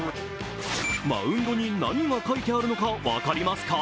マウンドに何が書いてあるのか、分かりますか？